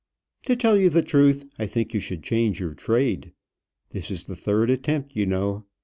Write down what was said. "To tell you the truth, I think you should change your trade. This is the third attempt, you know.